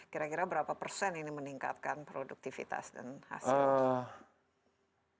kira kira berapa persen ini meningkatkan produktivitas dan hasilnya